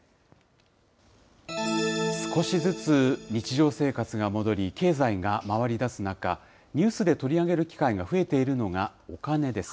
少しずつ日常生活が戻り、経済が回りだす中、ニュースで取り上げる機会が増えているのがお金です。